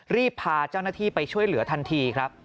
รีบพาเจ้าหน้าที่ไปช่วยเหลือทันทีครับ